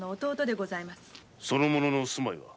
その者の住まいは？